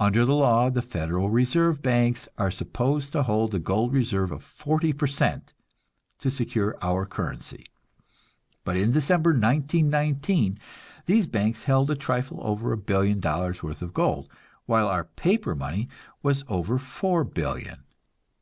Under the law, the Federal Reserve banks are supposed to hold a gold reserve of 40% to secure our currency. But in December, 1919, these banks held a trifle over a billion dollars' worth of gold, while our paper money was over four billion.